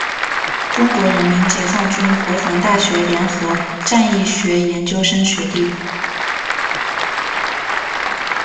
中国人民解放军国防大学联合战役学研究生学历。